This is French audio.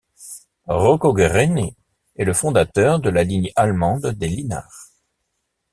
Rocco Guerrini est le fondateur de la lignée allemande des Lynar.